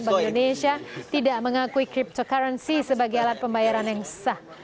bank indonesia tidak mengakui cryptocurrency sebagai alat pembayaran yang sah